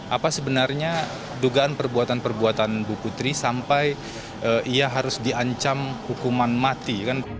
apa sebenarnya dugaan perbuatan perbuatan bu putri sampai ia harus diancam hukuman mati